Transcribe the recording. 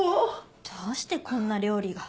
どうしてこんな料理が。